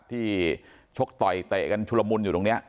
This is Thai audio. ที่ชกต่อยเตะกันชุลมุนอยู่ตรงนี้